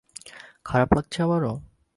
খারাপ লাগছে আবারো?